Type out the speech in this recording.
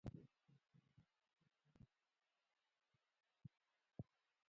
د سمندر څپو شور د سیلانیانو لپاره آرامتیا ده.